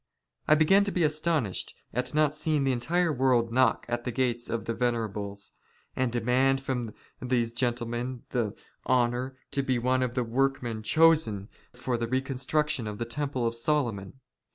I begin to be astonished at not seeing the entire " world knock at the gates of all the Venerables, and demand from " these gentlemen the honour to be one of the workmen chosen '' for the reconstruction of the temple of Solomon.